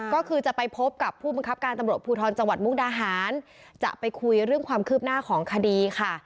ก็คือจะไปพบกับผู้บังคับการตำรวจภูทรจังหวัดมุกดาหารจะไปคุยเรื่องความคืบหน้าของคดีค่ะ